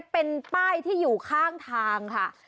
เป็นป้ายที่อยู่ข้างทางค่ะ